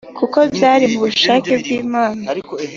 kuko byari mubushake bw’imana"